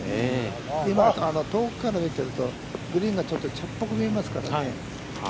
今、遠くから見てると、グリーンがちょっと茶色っぽく見えますからね。